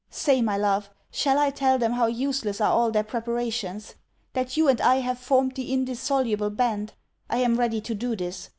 Say, my love! shall I tell them how useless are all their preparations? that you and I have formed the indissoluble band? I am ready to do this.